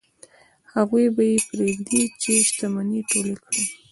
هغوی به یې پرېږدي چې شتمنۍ ټولې کړي.